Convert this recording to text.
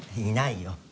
いないよ。